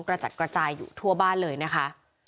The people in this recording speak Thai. กระจัดกระจายอยู่ทั่วบ้านเลยนะคะ